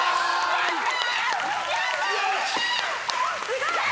すごい！